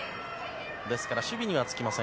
ですから、守備にはつきません。